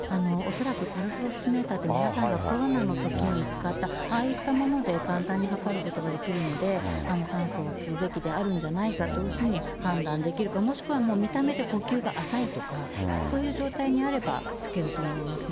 恐らくパルスオキシメーターって、皆さんがコロナのときに使った、ああいったもので簡単にはかることができるので、酸素をするべきであるんじゃないかというふうに判断できるか、もしくは見た目で呼吸が浅いとか、そういう状態にあれば、着けると思いますね。